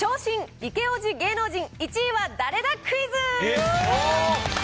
長身イケおじ芸能人１位は誰だクイズ。